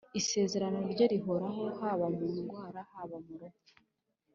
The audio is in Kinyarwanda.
Isezerano rye rihoraho, Haba mu ndwara, haba mu rupfu.